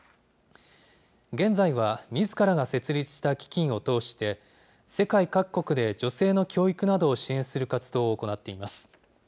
現在は、みずからが設立した基金を通して、世界各国で女性の教育などを支援する活動を行っています。